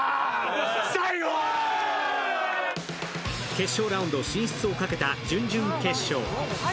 決勝ラウンド進出をかけた準々決勝。